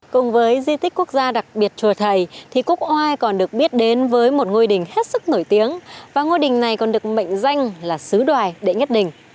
cùng với di tích quốc gia đặc biệt chùa thầy thì quốc oai còn được biết đến với một ngôi đình hết sức nổi tiếng và ngôi đình này còn được mệnh danh là sứ đoài đệ nhất đình